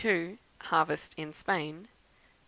Harvest in Spain; 23.